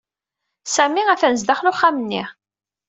Sami atan sdaxel uxxam-nni.